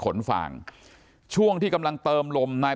ขนฟางช่วงที่กำลังเติมลมนาย